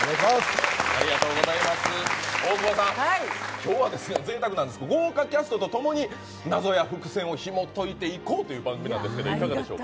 大久保さん、今日は贅沢なんですけど、豪華キャストともに謎や伏線をひもといていこうという企画なんですが、いかがでしょうか？